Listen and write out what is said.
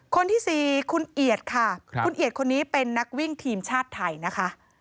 คนที่๔คุณเอียดค่ะคุณเอียดคนนี้เป็นนักวิ่งทีมชาติไทยนะคะ